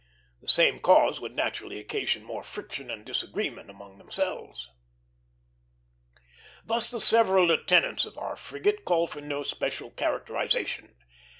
The same cause would naturally occasion more friction and disagreement among themselves. Thus the several lieutenants of our frigate call for no special characterization.